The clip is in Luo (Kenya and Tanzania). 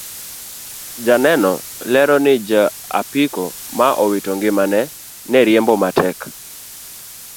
Joneno lero ni ja apiko ma owito ngimane ne riembo matek